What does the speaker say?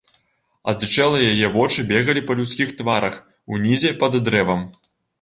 Адзічэлыя яе вочы бегалі па людскіх тварах унізе пад дрэвам.